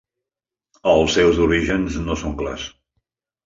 Els seus orígens no són clars.